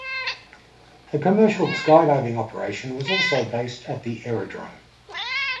A commercial skydiving operation was also based at the aerodrome.